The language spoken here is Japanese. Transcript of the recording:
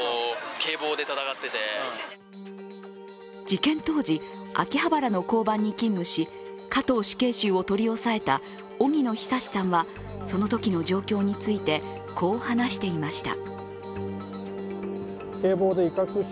事件当時、秋葉原の交番に勤務し加藤死刑囚を取り押さえた荻野尚さんはそのときの状況について、こう話していました。